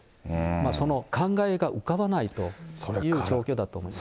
その考えが浮かばないという状況だと思います。